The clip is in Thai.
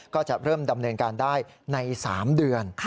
ก็จะเริ่มดำเนินการได้ใน๓เดือน